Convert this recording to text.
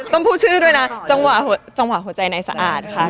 อ๋อต้องพูดชื่อด้วยนะจังหวะหัวใจในสะอาดค่ะ